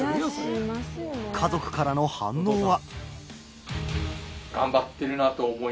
家族からの反応は。